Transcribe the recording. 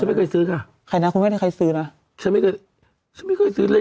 ฉันไม่เคยซื้อเลย